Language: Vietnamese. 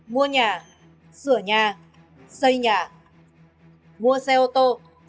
mua nhà sửa nhà xây nhà mua xe ô tô